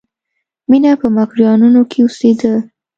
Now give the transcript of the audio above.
مینه په مکروریانو کې اوسېده